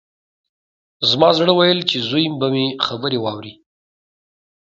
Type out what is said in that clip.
زما زړه ويل چې زوی به مې خبرې واوري.